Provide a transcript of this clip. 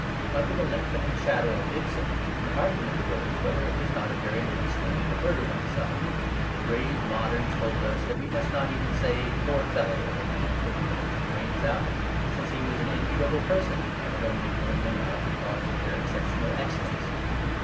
Under the lengthening shadow of Ibsen, an argument arose whether it was not a very nice thing to murder one's self. Grave moderns told us that we must not even say "poor fellow," of a man who had blown his brains out, since he was an enviable person, and had only blown them out because of their exceptional excellence.